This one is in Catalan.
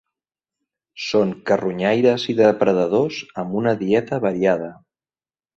Són carronyaires i depredadors amb una dieta variada.